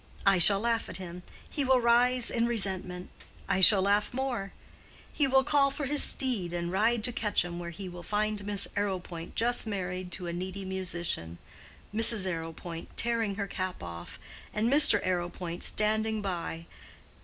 I shall laugh at him—he will rise in resentment—I shall laugh more—he will call for his steed and ride to Quetcham, where he will find Miss Arrowpoint just married to a needy musician, Mrs. Arrowpoint tearing her cap off, and Mr. Arrowpoint standing by.